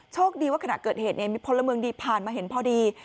โชคดีว่าขณะเกิดเหตุมีพลเมืองดีผ่านมาเห็นพอดี